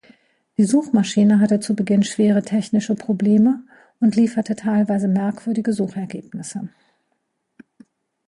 Die Suchmaschine hatte zu Beginn schwere technische Probleme und lieferte teilweise merkwürdige Suchergebnisse.